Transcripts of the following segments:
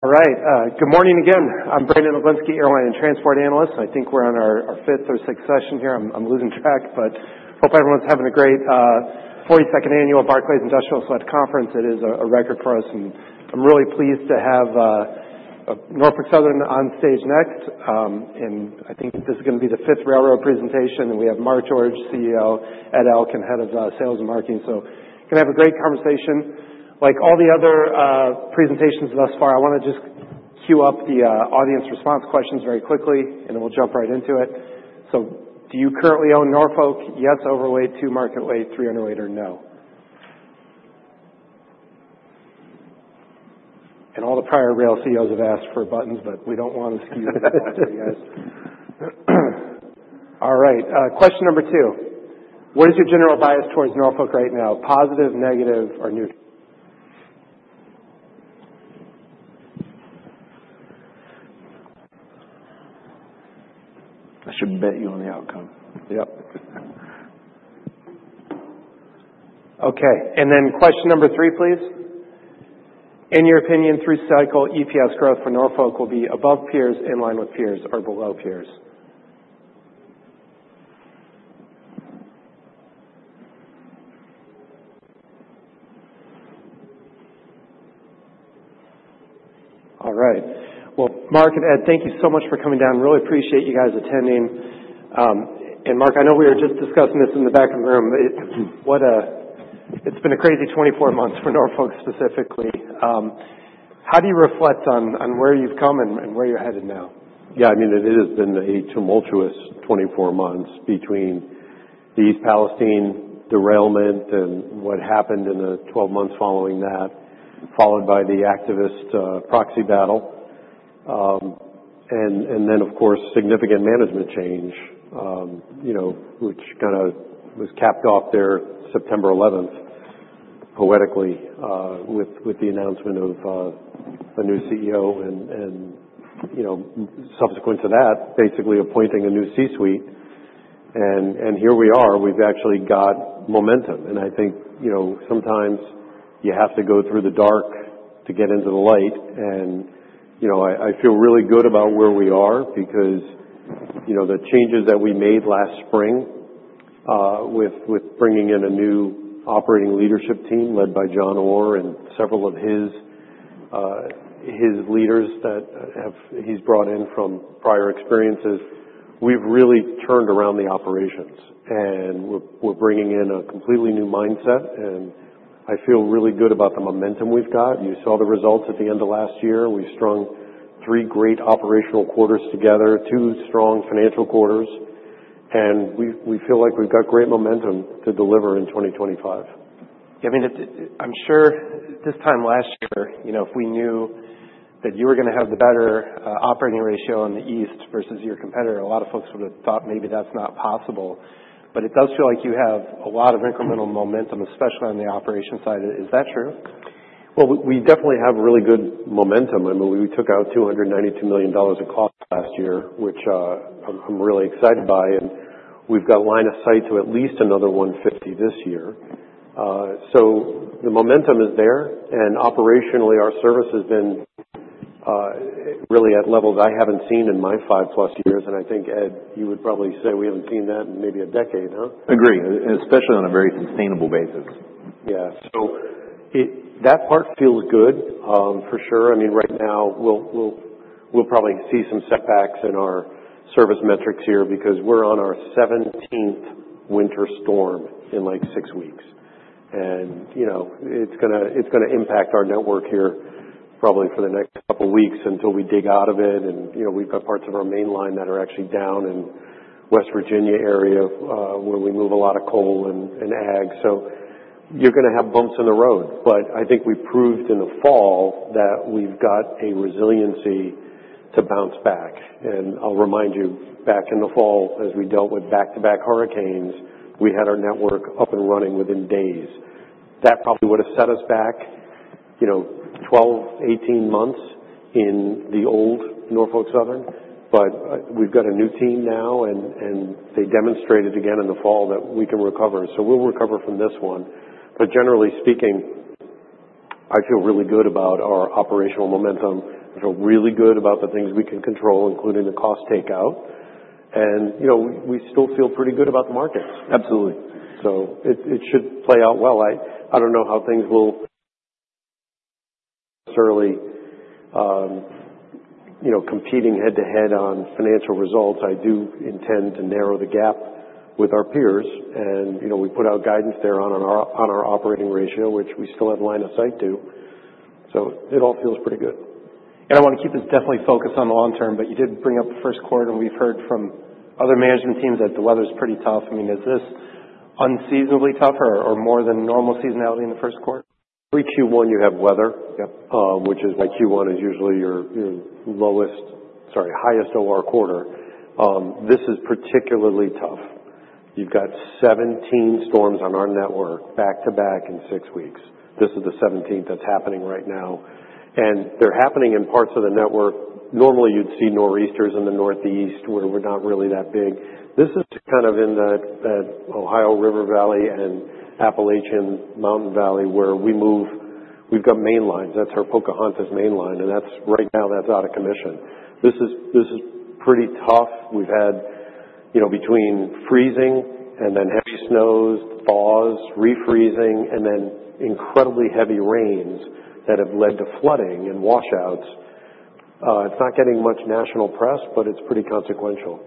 All right. Good morning again. I'm Brandon Oglenski, Airline and Transport Analyst. I think we're on our fifth or sixth session here. I'm losing track, but hope everyone's having a great 42nd Annual Barclays Industrial Select Conference. It is a record for us, and I'm really pleased to have Norfolk Southern on stage next. I think this is going to be the fifth railroad presentation. We have Mark George, CEO, Ed Elkins, Head of Sales and Marketing. So going to have a great conversation. Like all the other presentations thus far, I want to just cue up the audience response questions very quickly, and then we'll jump right into it. So do you currently own Norfolk? Yes, overweight, market weight, underweight, or no? All the prior rail CEOs have asked for buttons, but we don't want to skew that much for you guys. All right. Question number two. What is your general bias towards Norfolk right now? Positive, negative, or neutral? I should bet you on the outcome. Yep. Okay. And then question number three, please. In your opinion, through cycle, EPS growth for Norfolk will be above peers, in line with peers, or below peers? All right. Well, Mark and Ed, thank you so much for coming down. Really appreciate you guys attending. And Mark, I know we were just discussing this in the back of the room. It's been a crazy 24 months for Norfolk specifically. How do you reflect on where you've come and where you're headed now? Yeah, I mean, it has been a tumultuous 24 months between the East Palestine derailment and what happened in the 12 months following that, followed by the activist proxy battle. And then, of course, significant management change, which kind of was capped off there September 11th, poetically, with the announcement of a new CEO. And subsequent to that, basically appointing a new C-suite. And here we are. We've actually got momentum. And I think sometimes you have to go through the dark to get into the light. And I feel really good about where we are because the changes that we made last spring with bringing in a new operating leadership team led by John Orr and several of his leaders that he's brought in from prior experiences, we've really turned around the operations. And we're bringing in a completely new mindset. I feel really good about the momentum we've got. You saw the results at the end of last year. We've strung three great operational quarters together, two strong financial quarters. We feel like we've got great momentum to deliver in 2025. Yeah. I mean, I'm sure this time last year, if we knew that you were going to have the better operating ratio on the east versus your competitor, a lot of folks would have thought maybe that's not possible. But it does feel like you have a lot of incremental momentum, especially on the operation side. Is that true? We definitely have really good momentum. I mean, we took out $292 million in cost last year, which I'm really excited by. We've got a line of sight to at least another $150 million this year. The momentum is there. Operationally, our service has been really at levels I haven't seen in my five-plus years. I think, Ed, you would probably say we haven't seen that in maybe a decade, huh? Agree. Especially on a very sustainable basis. Yeah. So that part feels good, for sure. I mean, right now, we'll probably see some setbacks in our service metrics here because we're on our 17th winter storm in like six weeks. And it's going to impact our network here probably for the next couple of weeks until we dig out of it. And we've got parts of our mainline that are actually down in West Virginia area where we move a lot of coal and ag. So you're going to have bumps in the road. But I think we proved in the fall that we've got a resiliency to bounce back. And I'll remind you, back in the fall, as we dealt with back-to-back hurricanes, we had our network up and running within days. That probably would have set us back 12, 18 months in the old Norfolk Southern. But we've got a new team now, and they demonstrated again in the fall that we can recover. So we'll recover from this one. But generally speaking, I feel really good about our operational momentum. I feel really good about the things we can control, including the cost takeout. And we still feel pretty good about the markets. Absolutely. So it should play out well. I don't know how things will necessarily be competing head-to-head on financial results. I do intend to narrow the gap with our peers. And we put out guidance there on our operating ratio, which we still have a line of sight to. So it all feels pretty good. I want to keep this definitely focused on the long term, but you did bring up the first quarter, and we've heard from other management teams that the weather's pretty tough. I mean, is this unseasonably tough or more than normal seasonality in the first quarter? Every Q1, you have weather, which is my Q1 is usually your lowest, sorry, highest OR quarter. This is particularly tough. You've got 17 storms on our network back to back in six weeks. This is the 17th that's happening right now. And they're happening in parts of the network. Normally, you'd see nor'easters in the Northeast where we're not really that big. This is kind of in the Ohio River Valley and Appalachian Mountain Valley where we move. We've got mainlines. That's our Pocahontas mainline. And right now, that's out of commission. This is pretty tough. We've had between freezing and then heavy snows, thaws, refreezing, and then incredibly heavy rains that have led to flooding and washouts. It's not getting much national press, but it's pretty consequential.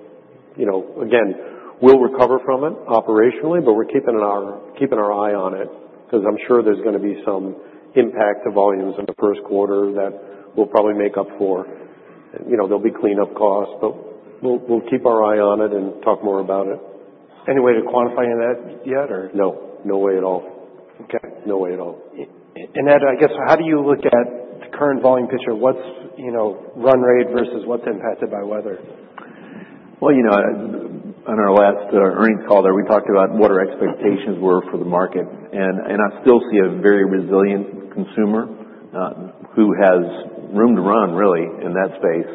Again, we'll recover from it operationally, but we're keeping our eye on it because I'm sure there's going to be some impact to volumes in the first quarter that we'll probably make up for. There'll be cleanup costs, but we'll keep our eye on it and talk more about it. Any way to quantify that yet, or? No. No way at all. Okay. No way at all. Ed, I guess, how do you look at the current volume picture? What's run rate versus what's impacted by weather? On our last earnings call there, we talked about what our expectations were for the market. I still see a very resilient consumer who has room to run, really, in that space.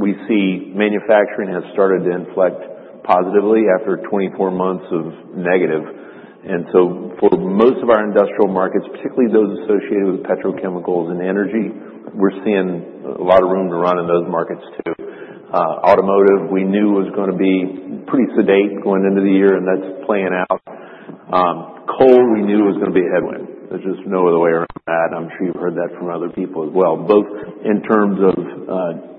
We see manufacturing has started to inflect positively after 24 months of negative. For most of our industrial markets, particularly those associated with petrochemicals and energy, we're seeing a lot of room to run in those markets too. Automotive, we knew was going to be pretty sedate going into the year, and that's playing out. Coal, we knew was going to be a headwind. There's just no other way around that. I'm sure you've heard that from other people as well, both in terms of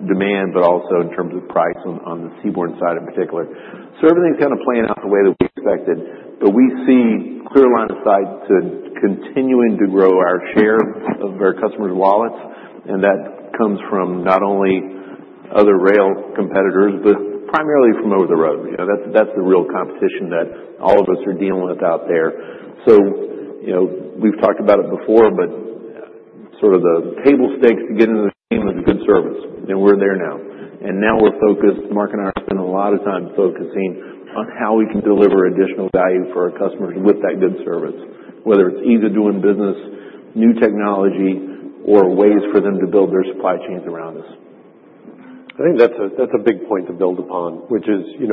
demand, but also in terms of price on the seaborne side in particular. Everything's kind of playing out the way that we expected. But we see a clear line of sight to continuing to grow our share of our customers' wallets. And that comes from not only other rail competitors, but primarily from over the road. That's the real competition that all of us are dealing with out there. So we've talked about it before, but sort of the table stakes to get into the game is good service. And we're there now. And now we're focused, Mark and I are spending a lot of time focusing on how we can deliver additional value for our customers with that good service, whether it's ease of doing business, new technology, or ways for them to build their supply chains around us. I think that's a big point to build upon, which is the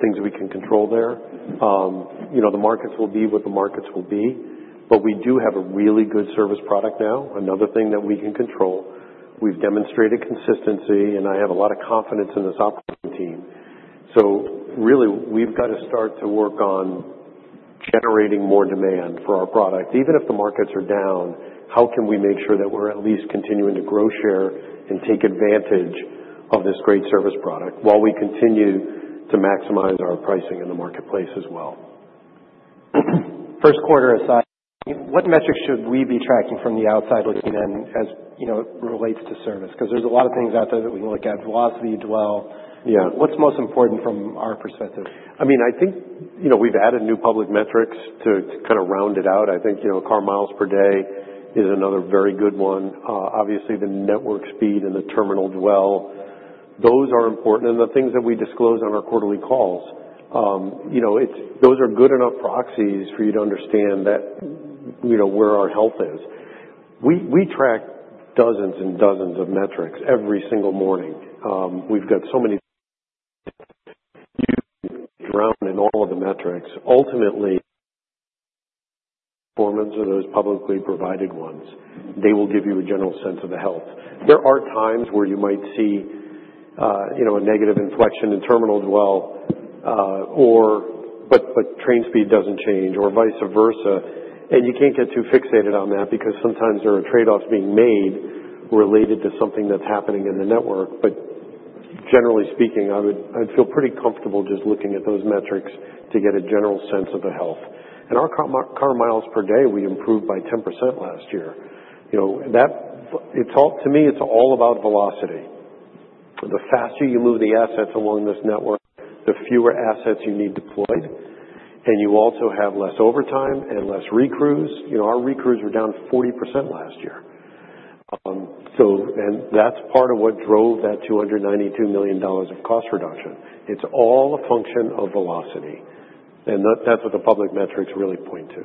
things we can control there. The markets will be what the markets will be. But we do have a really good service product now, another thing that we can control. We've demonstrated consistency, and I have a lot of confidence in this operating team. So really, we've got to start to work on generating more demand for our product. Even if the markets are down, how can we make sure that we're at least continuing to grow share and take advantage of this great service product while we continue to maximize our pricing in the marketplace as well? First quarter aside, what metrics should we be tracking from the outside looking in as it relates to service? Because there's a lot of things out there that we can look at: velocity, dwell. What's most important from our perspective? I mean, I think we've added new public metrics to kind of round it out. I think car miles per day is another very good one. Obviously, the network speed and the terminal dwell, those are important, and the things that we disclose on our quarterly calls, those are good enough proxies for you to understand where our health is. We track dozens and dozens of metrics every single morning. We've got so many. You drown in all of the metrics. Ultimately, performance are those publicly provided ones. They will give you a general sense of the health. There are times where you might see a negative inflection in terminal dwell, but train speed doesn't change, or vice versa, and you can't get too fixated on that because sometimes there are trade-offs being made related to something that's happening in the network. But generally speaking, I'd feel pretty comfortable just looking at those metrics to get a general sense of the health. And our car miles per day, we improved by 10% last year. To me, it's all about velocity. The faster you move the assets along this network, the fewer assets you need deployed. And you also have less overtime and less recruits. Our recruits were down 40% last year. And that's part of what drove that $292 million of cost reduction. It's all a function of velocity. And that's what the public metrics really point to.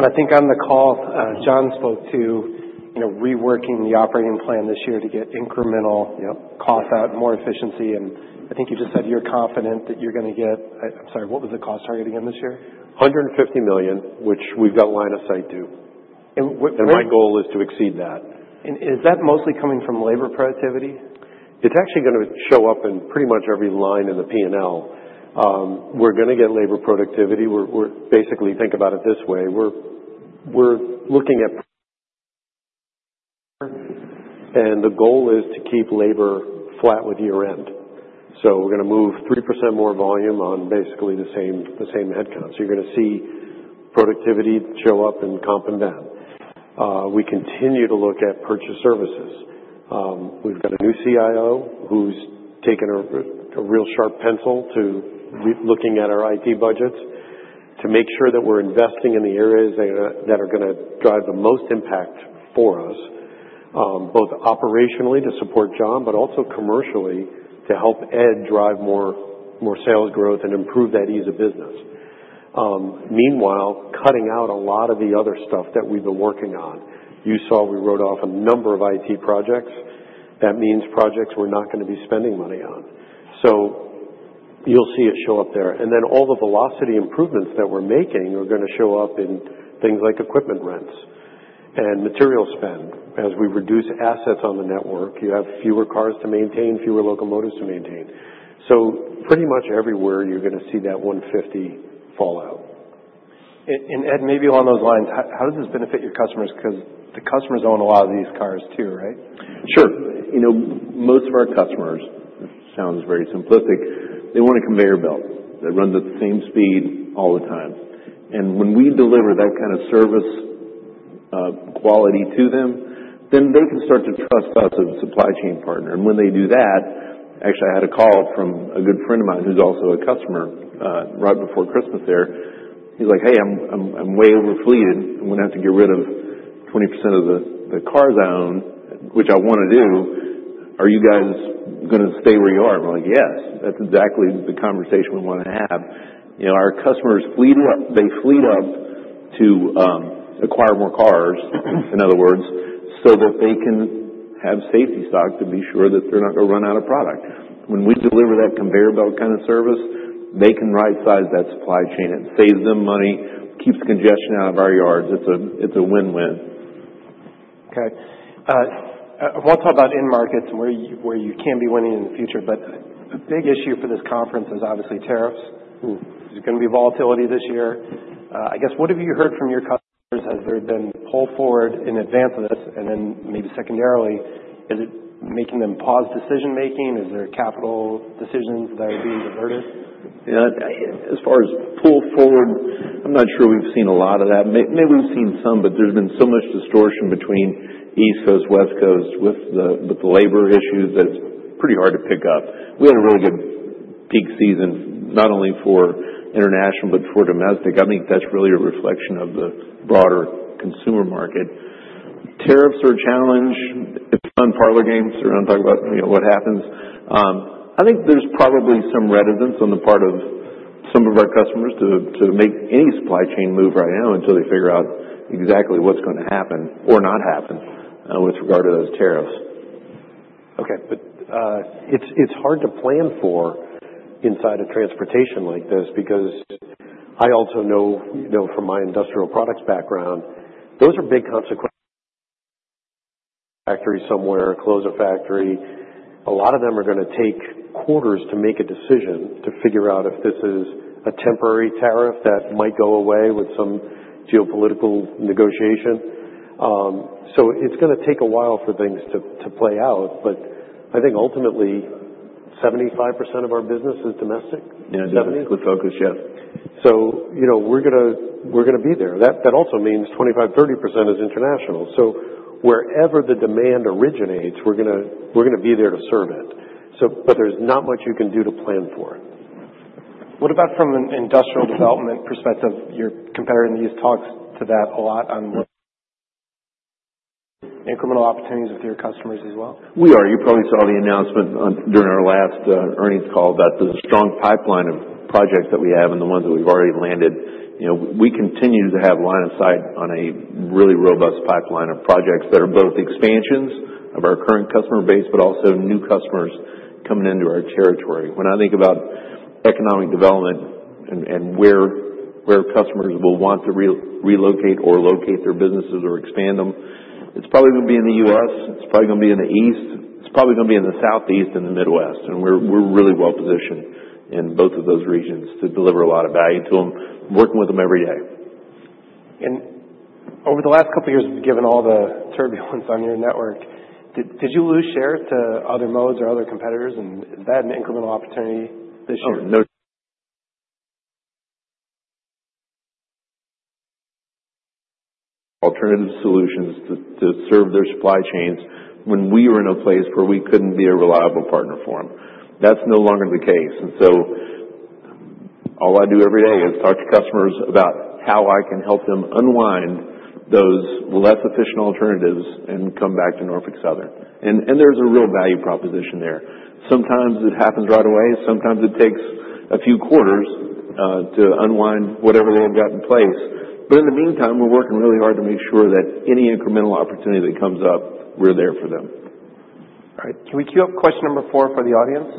I think on the call, John spoke to reworking the operating plan this year to get incremental cost out, more efficiency. I think you just said you're confident that you're going to get. I'm sorry, what was the cost target again this year? $150 million, which we've got a line of sight to, and my goal is to exceed that. Is that mostly coming from labor productivity? It's actually going to show up in pretty much every line in the P&L. We're going to get labor productivity. Basically, think about it this way. We're looking at, and the goal is to keep labor flat with year-end. So we're going to move 3% more volume on basically the same headcount. So you're going to see productivity show up in comp and ben. We continue to look at purchased services. We've got a new CIO who's taken a real sharp pencil to looking at our IT budgets to make sure that we're investing in the areas that are going to drive the most impact for us, both operationally to support John, but also commercially to help Ed drive more sales growth and improve that ease of business. Meanwhile, cutting out a lot of the other stuff that we've been working on. You saw we wrote off a number of IT projects. That means projects we're not going to be spending money on. So you'll see it show up there. And then all the velocity improvements that we're making are going to show up in things like equipment rents and material spend. As we reduce assets on the network, you have fewer cars to maintain, fewer locomotives to maintain. So pretty much everywhere, you're going to see that $150 million fall out. And Ed, maybe along those lines, how does this benefit your customers? Because the customers own a lot of these cars too, right? Sure. Most of our customers, this sounds very simplistic, they want a conveyor belt that runs at the same speed all the time. And when we deliver that kind of service quality to them, then they can start to trust us as a supply chain partner. And when they do that, actually, I had a call from a good friend of mine who's also a customer right before Christmas there. He's like, "Hey, I'm way overfleeted. I'm going to have to get rid of 20% of the cars I own, which I want to do. Are you guys going to stay where you are?" We're like, "Yes." That's exactly the conversation we want to have. Our customers, they fleet up to acquire more cars, in other words, so that they can have safety stock to be sure that they're not going to run out of product. When we deliver that conveyor belt kind of service, they can right-size that supply chain. It saves them money, keeps congestion out of our yards. It's a win-win. Okay. We'll talk about in-markets and where you can be winning in the future. But a big issue for this conference is obviously tariffs. There's going to be volatility this year. I guess, what have you heard from your customers? Has there been pull forward in advance of this? And then maybe secondarily, is it making them pause decision-making? Is there capital decisions that are being diverted? As far as pull forward, I'm not sure we've seen a lot of that. Maybe we've seen some, but there's been so much distortion between East Coast, West Coast with the labor issues that it's pretty hard to pick up. We had a really good peak season, not only for international, but for domestic. I think that's really a reflection of the broader consumer market. Tariffs are a challenge. It's fun parlor games around talking about what happens. I think there's probably some reticence on the part of some of our customers to make any supply chain move right now until they figure out exactly what's going to happen or not happen with regard to those tariffs. Okay. But it's hard to plan for inside of transportation like this because I also know from my industrial products background, those are big consequences. Factory somewhere, close a factory. A lot of them are going to take quarters to make a decision to figure out if this is a temporary tariff that might go away with some geopolitical negotiation. So it's going to take a while for things to play out. But I think ultimately, 75% of our business is domestic. Yeah, domestically focused, yes. So we're going to be there. That also means 25%-30% is international. So wherever the demand originates, we're going to be there to serve it. But there's not much you can do to plan for it. What about from an industrial development perspective? Your competitor in the East talks to that a lot on incremental opportunities with your customers as well? We are. You probably saw the announcement during our last earnings call about the strong pipeline of projects that we have and the ones that we've already landed. We continue to have line of sight on a really robust pipeline of projects that are both expansions of our current customer base, but also new customers coming into our territory. When I think about economic development and where customers will want to relocate or locate their businesses or expand them, it's probably going to be in the U.S. It's probably going to be in the East. It's probably going to be in the Southeast and the Midwest. And we're really well positioned in both of those regions to deliver a lot of value to them, working with them every day. Over the last couple of years, given all the turbulence on your network, did you lose share to other modes or other competitors? Is that an incremental opportunity this year? Oh, no. Alternative solutions to serve their supply chains when we were in a place where we couldn't be a reliable partner for them. That's no longer the case. And so all I do every day is talk to customers about how I can help them unwind those less efficient alternatives and come back to Norfolk Southern. And there's a real value proposition there. Sometimes it happens right away. Sometimes it takes a few quarters to unwind whatever they've got in place. But in the meantime, we're working really hard to make sure that any incremental opportunity that comes up, we're there for them. All right. Can we queue up question number four for the audience?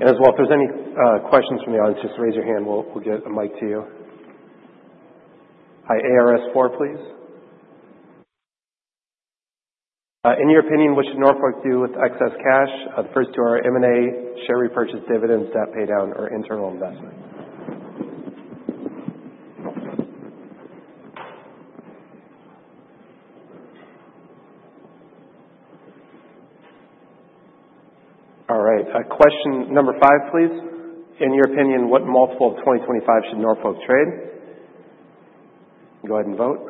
And as well, if there's any questions from the audience, just raise your hand. We'll get a mic to you. Hi, ARS 4, please. In your opinion, what should Norfolk do with excess cash? The first two are M&A, share repurchase, dividends, debt paydown, or internal investment. All right. Question number five, please. In your opinion, what multiple of 2025 should Norfolk trade? Go ahead and vote.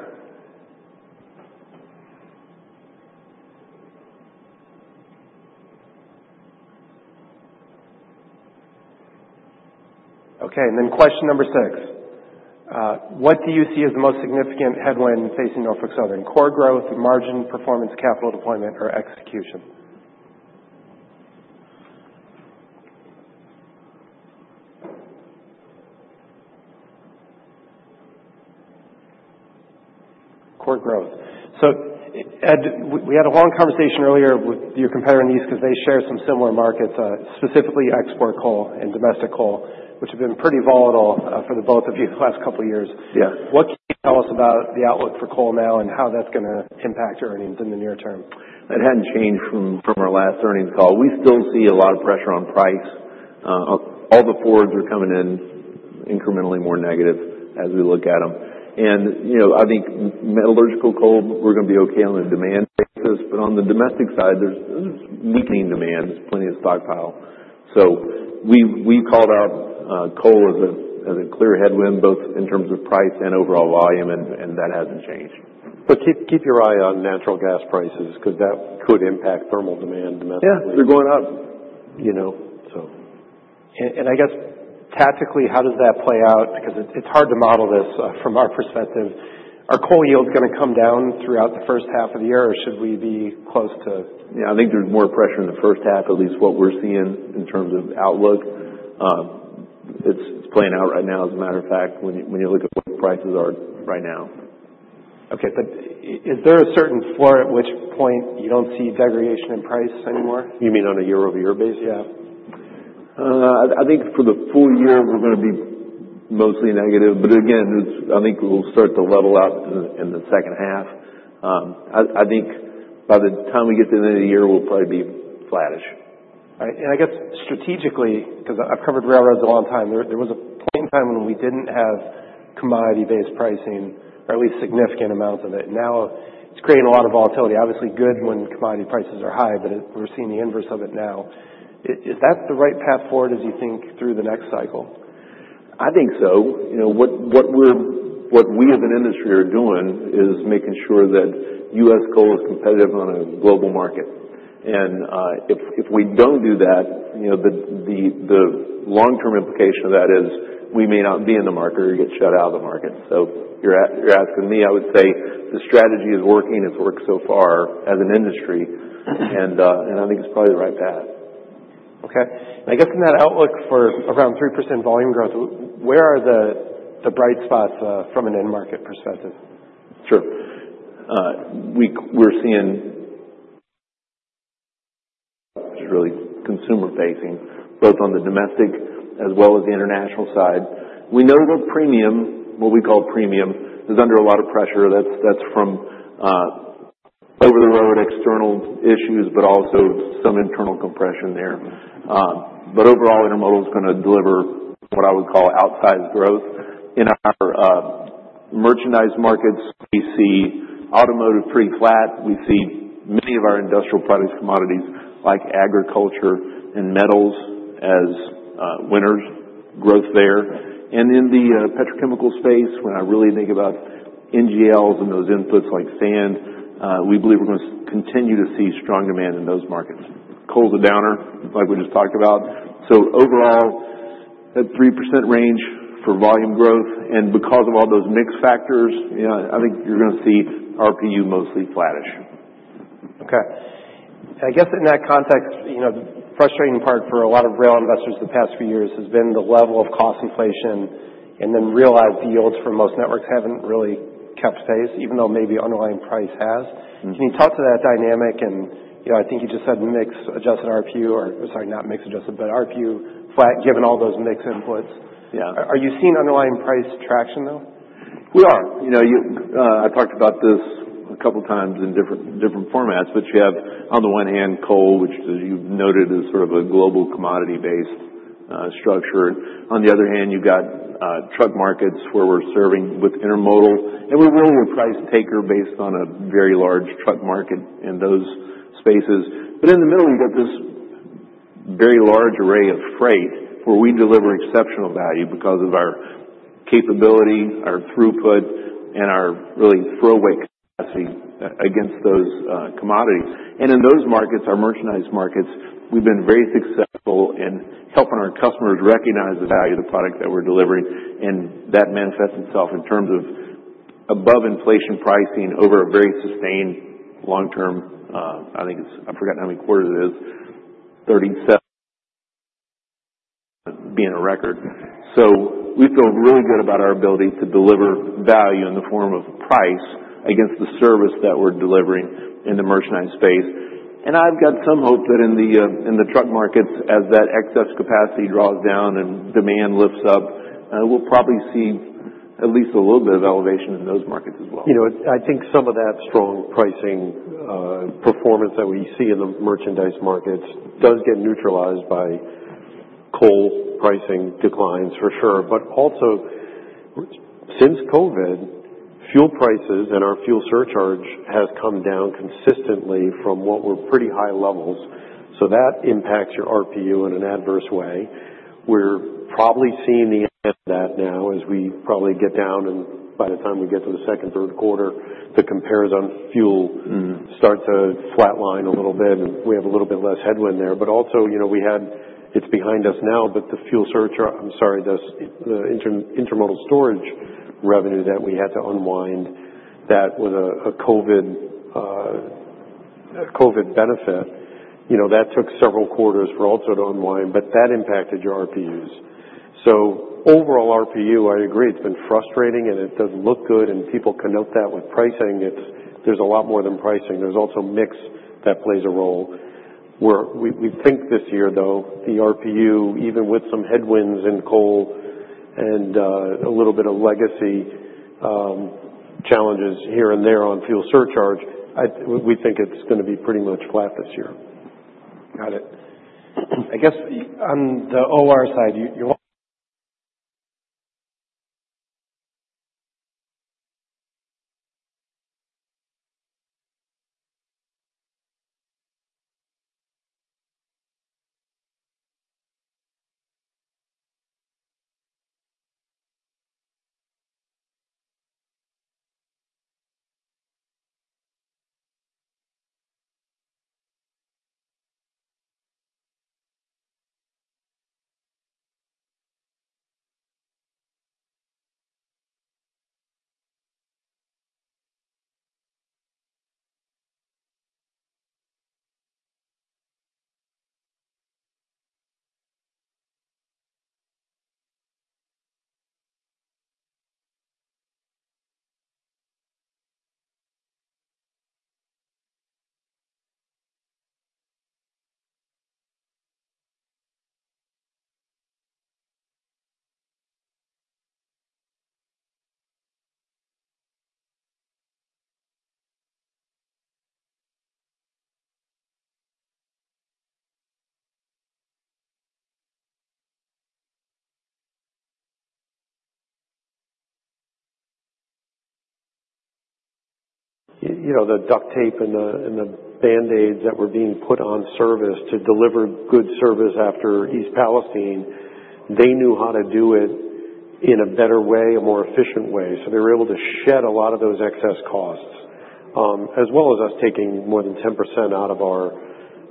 Okay. And then question number six. What do you see as the most significant headwind facing Norfolk Southern? Core growth, margin, performance, capital deployment, or execution? Core growth. So Ed, we had a long conversation earlier with your competitor in the East because they share some similar markets, specifically export coal and domestic coal, which have been pretty volatile for the both of you the last couple of years. What can you tell us about the outlook for coal now and how that's going to impact earnings in the near term? It hadn't changed from our last earnings call. We still see a lot of pressure on price. All the forwards are coming in incrementally more negative as we look at them. And I think metallurgical coal, we're going to be okay on the demand basis. But on the domestic side, there's weakening demand. There's plenty of stockpile. So we've called out coal as a clear headwind, both in terms of price and overall volume, and that hasn't changed. But keep your eye on natural gas prices because that could impact thermal demand domestically. Yeah, they're going up, so. I guess, tactically, how does that play out? Because it's hard to model this from our perspective. Are coal yields going to come down throughout the first half of the year, or should we be close to? Yeah, I think there's more pressure in the first half, at least what we're seeing in terms of outlook. It's playing out right now, as a matter of fact, when you look at what prices are right now. Okay. But is there a certain floor at which point you don't see degradation in price anymore? You mean on a year-over-year basis? Yeah. I think for the full year, we're going to be mostly negative. But again, I think we'll start to level out in the second half. I think by the time we get to the end of the year, we'll probably be flattish. All right, and I guess, strategically, because I've covered railroads a long time, there was a point in time when we didn't have commodity-based pricing, or at least significant amounts of it. Now, it's creating a lot of volatility. Obviously, good when commodity prices are high, but we're seeing the inverse of it now. Is that the right path forward, as you think, through the next cycle? I think so. What we as an industry are doing is making sure that U.S. coal is competitive on a global market. And if we don't do that, the long-term implication of that is we may not be in the market or get shut out of the market. So you're asking me, I would say the strategy is working. It's worked so far as an industry. And I think it's probably the right path. Okay, and I guess in that outlook for around 3% volume growth, where are the bright spots from an end-market perspective? Sure. We're seeing just really consumer-facing, both on the domestic as well as the international side. We know that premium, what we call premium, is under a lot of pressure. That's from over-the-road external issues, but also some internal compression there. But overall, intermodal is going to deliver what I would call outsized growth. In our merchandise markets, we see automotive pretty flat. We see many of our industrial products, commodities like agriculture and metals as winners, growth there. And in the petrochemical space, when I really think about NGLs and those inputs like sand, we believe we're going to continue to see strong demand in those markets. Coal's a downer, like we just talked about. So overall, that 3% range for volume growth. And because of all those mixed factors, I think you're going to see RPU mostly flattish. Okay. I guess in that context, the frustrating part for a lot of rail investors the past few years has been the level of cost inflation and then realized yields for most networks haven't really kept pace, even though maybe underlying price has. Can you talk to that dynamic? And I think you just said mix adjusted RPU, or sorry, not mix adjusted, but RPU flat, given all those mix inputs. Are you seeing underlying price traction, though? We are. I talked about this a couple of times in different formats, but you have, on the one hand, coal, which you've noted is sort of a global commodity-based structure. On the other hand, you've got truck markets where we're serving with intermodal. And we're really a price taker based on a very large truck market in those spaces. But in the middle, you've got this very large array of freight where we deliver exceptional value because of our capability, our throughput, and our really through-freight capacity against those commodities. And in those markets, our merchandise markets, we've been very successful in helping our customers recognize the value of the product that we're delivering. And that manifests itself in terms of above inflation pricing over a very sustained long-term. I think it's. I've forgotten how many quarters it is, 37 being a record. So we feel really good about our ability to deliver value in the form of price against the service that we're delivering in the merchandise space. And I've got some hope that in the truck markets, as that excess capacity draws down and demand lifts up, we'll probably see at least a little bit of elevation in those markets as well. I think some of that strong pricing performance that we see in the merchandise markets does get neutralized by coal pricing declines, for sure. But also, since COVID, fuel prices and our fuel surcharge has come down consistently from what were pretty high levels. So that impacts your RPU in an adverse way. We're probably seeing the end of that now as we probably get down, and by the time we get to the second, third quarter, the comparison fuel starts to flatline a little bit, and we have a little bit less headwind there. But also, we had, it's behind us now, but the fuel surcharge, I'm sorry, the intermodal storage revenue that we had to unwind, that was a COVID benefit. That took several quarters for also to unwind, but that impacted your RPUs. So overall RPU, I agree, it's been frustrating, and it doesn't look good, and people connote that with pricing. There's a lot more than pricing. There's also mix that plays a role. We think this year, though, the RPU, even with some headwinds in coal and a little bit of legacy challenges here and there on fuel surcharge, we think it's going to be pretty much flat this year. Got it. I guess on the OR side, you're wanting. The duct tape and the Band-Aids that were being put on service to deliver good service after East Palestine, they knew how to do it in a better way, a more efficient way. So they were able to shed a lot of those excess costs, as well as us taking more than 10% out of our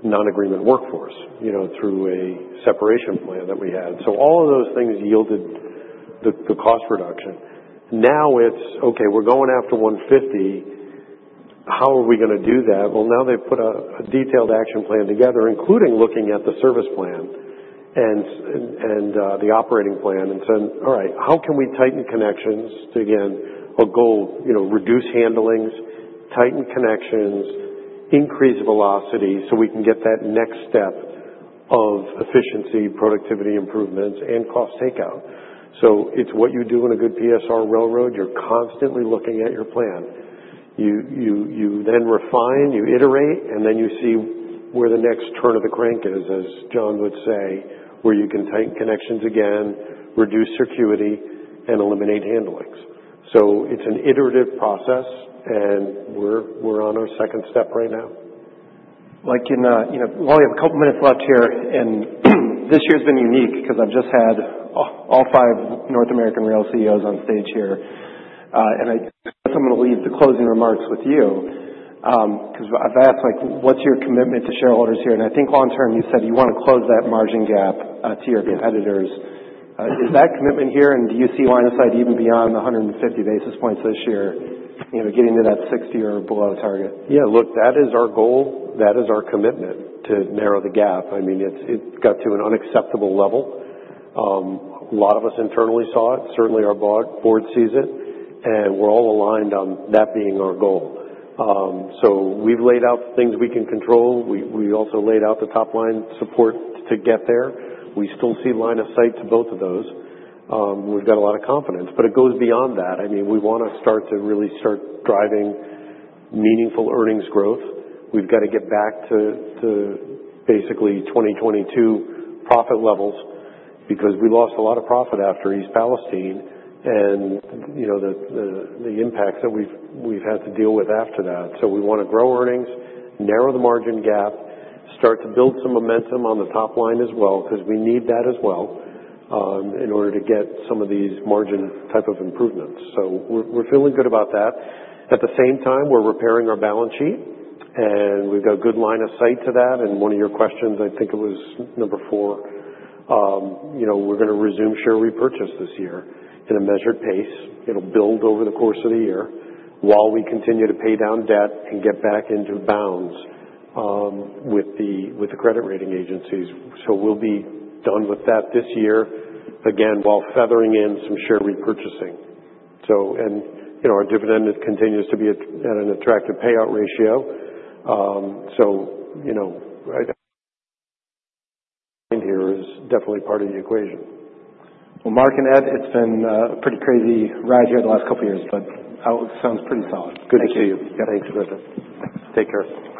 non-agreement workforce through a separation plan that we had. So all of those things yielded the cost reduction. Now it's, okay, we're going after 150. How are we going to do that? Well, now they've put a detailed action plan together, including looking at the service plan and the operating plan and said, "All right, how can we tighten connections to, again, a goal, reduce handlings, tighten connections, increase velocity so we can get that next step of efficiency, productivity improvements, and cost takeout?" So it's what you do in a good PSR railroad. You're constantly looking at your plan. You then refine, you iterate, and then you see where the next turn of the crank is, as John would say, where you can tighten connections again, reduce circuity, and eliminate handlings, so it's an iterative process, and we're on our second step right now. Like, we only have a couple of minutes left here. And this year has been unique because I've just had all five North American rail CEOs on stage here. And I guess I'm going to leave the closing remarks with you because I've asked, "What's your commitment to shareholders here?" And I think long-term, you said you want to close that margin gap to your competitors. Is that commitment here? And do you see line of sight even beyond 150 basis points this year, getting to that 60 or below target? Yeah, look, that is our goal. That is our commitment to narrow the gap. I mean, it's got to an unacceptable level. A lot of us internally saw it. Certainly, our board sees it. And we're all aligned on that being our goal. So we've laid out the things we can control. We also laid out the top-line support to get there. We still see line of sight to both of those. We've got a lot of confidence. But it goes beyond that. I mean, we want to really start driving meaningful earnings growth. We've got to get back to basically 2022 profit levels because we lost a lot of profit after East Palestine and the impacts that we've had to deal with after that. So we want to grow earnings, narrow the margin gap, start to build some momentum on the top line as well because we need that as well in order to get some of these margin type of improvements. So we're feeling good about that. At the same time, we're repairing our balance sheet, and we've got a good line of sight to that. And one of your questions, I think it was number four, we're going to resume share repurchase this year in a measured pace. It'll build over the course of the year while we continue to pay down debt and get back into bounds with the credit rating agencies. So we'll be done with that this year, again, while feathering in some share repurchasing. And our dividend continues to be at an attractive payout ratio. So here is definitely part of the equation. Mark and Ed, it's been a pretty crazy ride here the last couple of years, but it sounds pretty solid. Good to see you. Thanks, David. Take care.